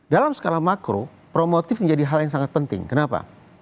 dalam skala makro promotif menjadi hal yang sangat penting kenapa